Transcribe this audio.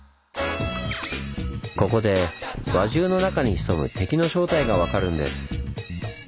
ここで輪中の中に潜む敵の正体が分かるんです。